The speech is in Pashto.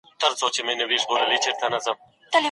د بازار بدلون مې په غور سره مطالعه کړ.